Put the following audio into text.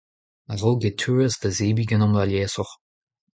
a-raok e teues da zebriñ ganeomp aliesoc'h.